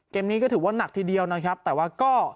เกมนี้ก็ถือว่านักทีเดียวนะครับแต่ว่าก็